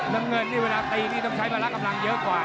ดังเงินที่เวลาตีนี้ต้องใช้ประลักษณ์อำนังเยอะกว่า